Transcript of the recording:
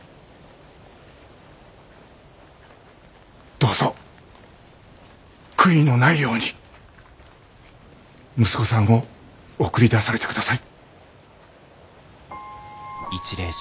どうぞ悔いのないように息子さんを送り出されてください。